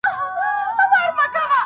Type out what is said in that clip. درناوی باید کم نه یي.